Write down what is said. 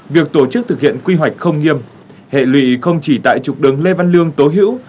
việc tổ chức thực hiện quy hoạch không nghiêm hệ lụy không chỉ tại trục đường lê văn lương tố hữu